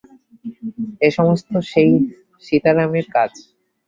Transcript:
এ-সমস্ত সেই সীতারামের কাজ।